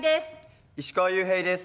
石川裕平です。